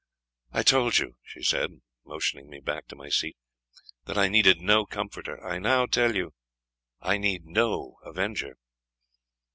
I told you," she said, motioning me back to my seat, "that I needed no comforter. I now tell you I need no avenger."